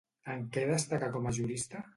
En què destaca com a jurista?